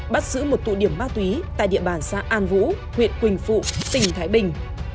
bắt giữ một tụ điểm ma túy tại địa bàn xã an vũ huyện quỳnh phụ tỉnh thái bình